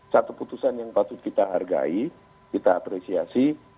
satu keputusan yang harus kita hargai kita apresiasi